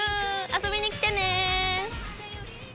遊びに来てね。